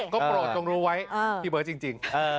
ก็โปรดจงรู้ไว้พี่เบิร์ตจริง